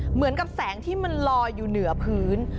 เหมือนกับแสงที่มันลอยอยู่เหนือพื้น